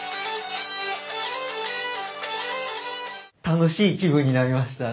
楽しい気分になりました。